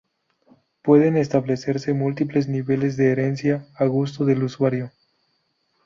Pueden establecerse múltiples niveles de herencia a gusto del usuario.